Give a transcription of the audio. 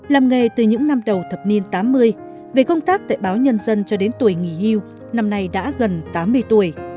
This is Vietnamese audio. làm nghề từ những năm đầu thập niên tám mươi về công tác tại báo nhân dân cho đến tuổi nghỉ hưu năm nay đã gần tám mươi tuổi